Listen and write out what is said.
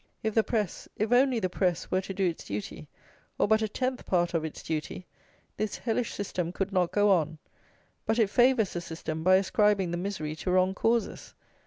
If the press, if only the press, were to do its duty, or but a tenth part of its duty, this hellish system could not go on. But it favours the system by ascribing the misery to wrong causes.